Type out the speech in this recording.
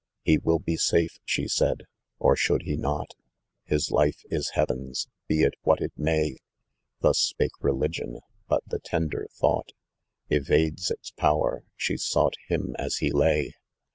14 "He wDl be «afe," she said, " or should he not, His life is heaven*s he it what it may." Thus spake Religion, but the tender thought Evades its power, she sought him as he lay.